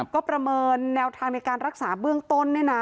ก็ประเมินแนวทางในการรักษาเบื้องต้นเนี่ยนะ